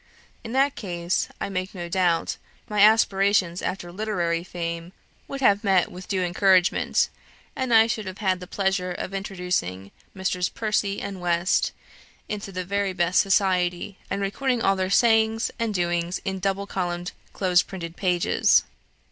In that case, I make no doubt, my aspirations after literary fame would have met with due encouragement, and I should have had the pleasure of introducing Messrs. Percy and West into the very best society, and recording all their sayings and doings in double columned close printed pages